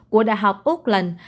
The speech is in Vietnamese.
của đại học auckland